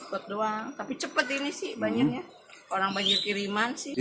takut doang tapi cepat ini sih banyaknya orang banjir kiriman sih